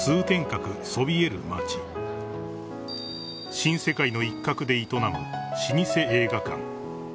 ［新世界の一角で営む老舗映画館］